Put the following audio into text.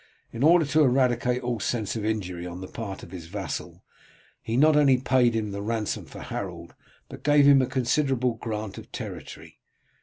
In order to eradicate all sense of injury on the part of his vassal, he not only paid him the ransom for Harold but gave him a considerable grant of territory.